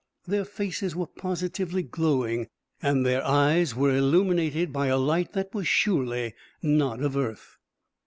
Their faces were positively glowing and their eyes were illuminated by a light that was surely not of earth.